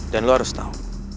dan lo harus tau